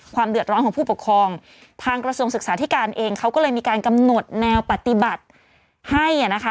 เดือดร้อนของผู้ปกครองทางกระทรวงศึกษาธิการเองเขาก็เลยมีการกำหนดแนวปฏิบัติให้นะคะ